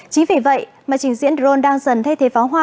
chính vì vậy mà chỉnh diện drone đang dần thay thế pháo hoa